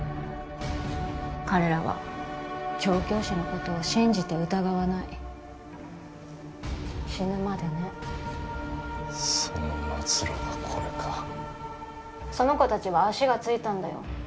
彼らは調教師のことを信じて疑わない死ぬまでねその末路がこれかその子達は足がついたんだよ